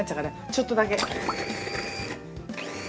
ちょっとだけ。